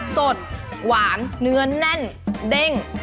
สดหวานเนื้อแน่นเด้ง